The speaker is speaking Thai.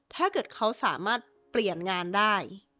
ถ้าเกิดเขาสามารถเปลี่ยนงานได้